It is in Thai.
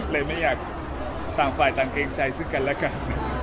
เลยไม่อยากตาฝ่ายตะเย็นใจซึ่งกันแล้วกัน